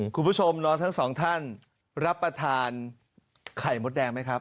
คุณผู้ชมน้องทั้งสองท่านรับประทานไข่มดแดงไหมครับ